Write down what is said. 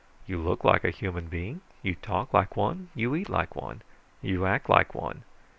"You look like a human being. You talk like one. You eat like one. You act like one.